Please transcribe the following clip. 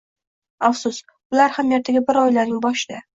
Afsus, ular ham ertaga bir oilaning boshida.